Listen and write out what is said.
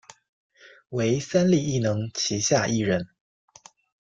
为三立艺能旗下艺人。